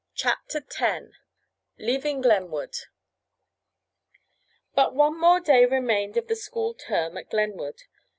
CHAPTER X LEAVING GLENWOOD But one more day remained of the school term at Glenwood.